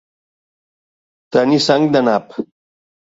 Tenir sang de nap.